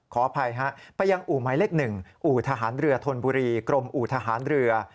ขออภัยฮะไปยังอู่หมายเลข๑อู่ทหารเรือธนบุรีกรมอู่ทหารเรือ